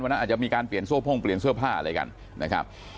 อาจจะมีการเปลี่ยนโซ่พ่งเปลี่ยนเสื้อผ้าอะไรกันนะครับ